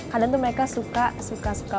kadang tuh mereka suka suka